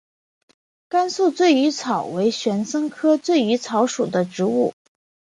甘肃醉鱼草为玄参科醉鱼草属的植物。